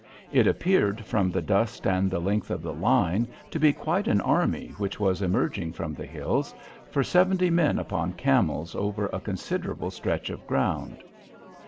It appeared, from the dust and the length of the line, to be quite an army which was emerging from the hills, for seventy men upon camels cover a considerable stretch of ground.